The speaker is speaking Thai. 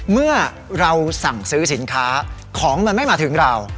เมื่อเราสั่งซื้อสินค้าของมันไม่มาถึงเรา